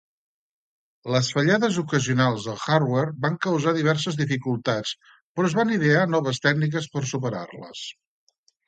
Les fallades ocasionals del hardware van causar diverses dificultats, però es van idear noves tècniques per superar-les.